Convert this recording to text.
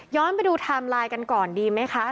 ไปดูไทม์ไลน์กันก่อนดีไหมคะ